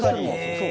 そう。